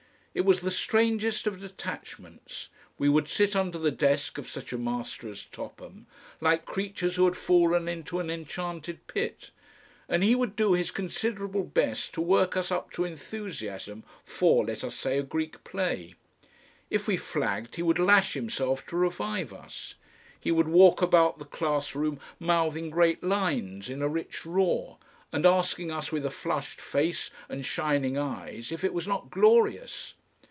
It was the strangest of detachments. We would sit under the desk of such a master as Topham like creatures who had fallen into an enchanted pit, and he would do his considerable best to work us up to enthusiasm for, let us say, a Greek play. If we flagged he would lash himself to revive us. He would walk about the class room mouthing great lines in a rich roar, and asking us with a flushed face and shining eyes if it was not "GLORIOUS."